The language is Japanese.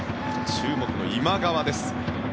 注目の今川です。